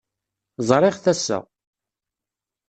Ẓṛiɣ-t ass-a.